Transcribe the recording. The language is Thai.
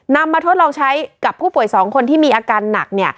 มาทดลองใช้กับผู้ป่วย๒คนที่มีอาการหนัก